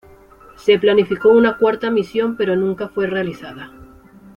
Se planificó una cuarta misión pero nunca fue realizada.